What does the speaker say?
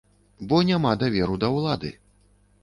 Бо няма даверу да ўлады.